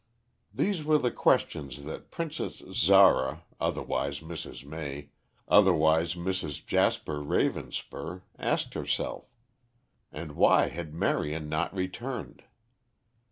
These were the questions that Princess Zara, otherwise Mrs. May, otherwise Mrs. Jasper Ravenspur, asked herself. And why had Marion not returned?